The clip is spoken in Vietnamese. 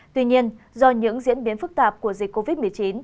tuy nhiên do những diễn biến phức tạp của dịch covid một mươi chín